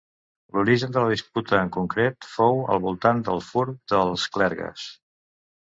L'origen de la disputa en concret fou al voltant del fur dels clergues.